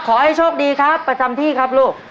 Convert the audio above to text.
ขอให้โชคดีครับประจำที่ครับลูก